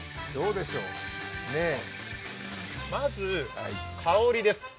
まず、香りです。